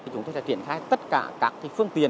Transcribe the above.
chúng tôi sẽ chuyển thay tất cả các phương tiện